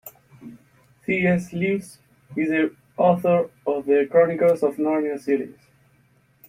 C.S. Lewis is the author of The Chronicles of Narnia series.